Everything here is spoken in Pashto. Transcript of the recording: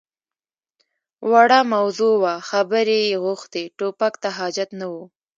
_وړه موضوع وه، خبرې يې غوښتې. ټوپک ته حاجت نه و.